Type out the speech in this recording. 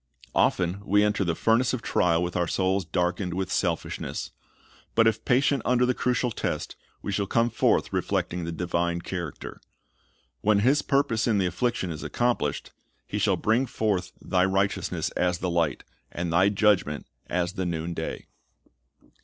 Often we enter the furnace of trial with our souls darkened with selfishness; but if patient under the crucial test, we shall come forth reflecting the divine character. When His purpose in the affliction is accom plished, "He shall bring forth thy righteousness as the light, and thy judgment as the noonday."